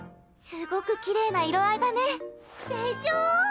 すごくきれいな色合いだね。でしょ？